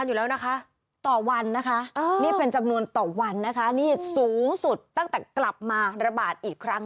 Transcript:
ค่ะเออนี่เป็นจำนวนต่อวันนะคะนี่สูงสุดตั้งแต่กลับมาระบาดอีกครั้ง